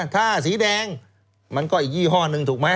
ถ้าสีแดงมันก็อีกยี่ห้อหนึ่งถูกไหม